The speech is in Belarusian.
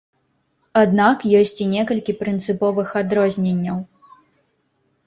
Аднак ёсць і некалькі прынцыповых адрозненняў.